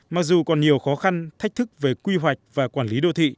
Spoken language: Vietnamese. mặc dù còn nhiều khó khăn thách thức về quy hoạch và quản lý đô thị